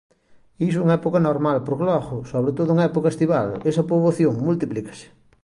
Iso en época normal porque logo, sobre todo en época estival, esa poboación multiplícase.